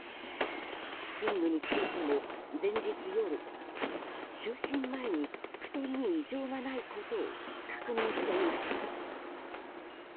寝具についても、前日夜就寝前に布団に異常がないことを確認していました。